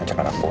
ajar anak gue